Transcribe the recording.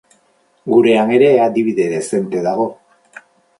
Gurean ere adibide dezente dago.